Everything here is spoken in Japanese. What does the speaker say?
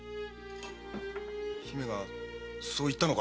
姫がそう言ったのか？